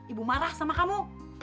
ibu marah sama kamu